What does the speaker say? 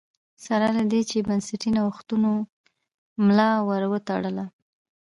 سره له دې چې بنسټي نوښتونو ملا ور وتړله